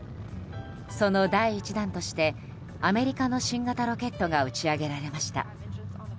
その第１弾としてアメリカの新型ロケットが打ち上げられました。